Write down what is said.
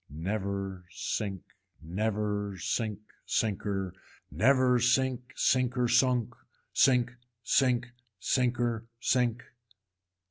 Never sink, never sink sinker, never sink sinker sunk, sink sink sinker sink.